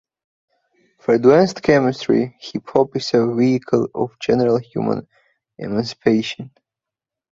For Advanced Chemistry, hip hop is a "vehicle of general human emancipation,".